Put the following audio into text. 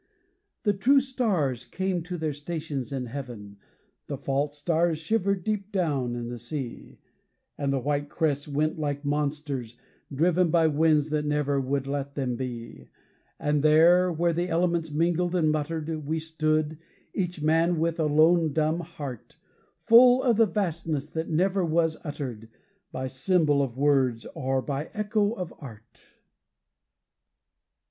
The true stars came to their stations in heaven, The false stars shivered deep down in the sea, And the white crests went like monsters, driven By winds that never would let them be, And there, where the elements mingled and muttered, We stood, each man with a lone dumb heart, Full of the vastness that never was uttered By symbol of words or by echo of art.